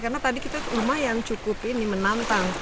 karena tadi kita rumah yang cukup ini menantang